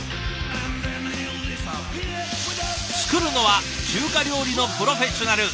作るのは中華料理のプロフェッショナル。